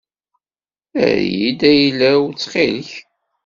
Err-iyi-d ayla-w ttxil-k.